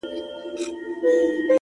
خټي کوم ـ